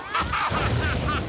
ハハハハ！